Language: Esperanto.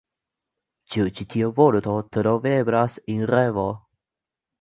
Ĉu ĉi tiu vorto troveblas en ReVo?